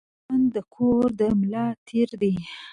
یو لوستي مېرمن د کورنۍ د ملا تېر ده